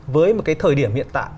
với một cái thời điểm hiện tại